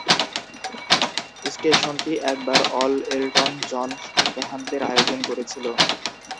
স্টেশনটি একবার অল-এলটন জন সপ্তাহান্তের আয়োজন করেছিল।